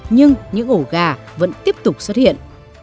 nhưng những ổ gà vẫn tiếp tục xuất hiện